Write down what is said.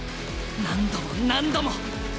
何度も何度も！